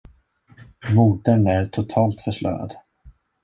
Modern är totalt förslöad.